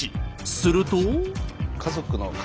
すると。